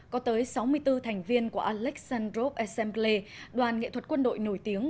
có tới sáu mươi bốn thành viên của alexandrov assembly đoàn nghệ thuật quân đội nổi tiếng